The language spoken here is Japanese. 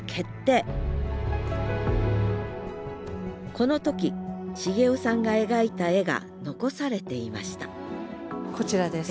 この時茂男さんが描いた絵が残されていましたこちらです。